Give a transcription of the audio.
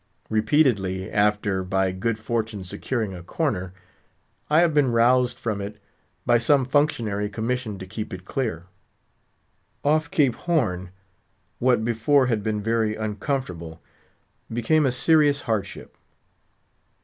Repeatedly, after by good fortune securing a corner, I have been roused from it by some functionary commissioned to keep it clear. Off Cape Horn, what before had been very uncomfortable became a serious hardship.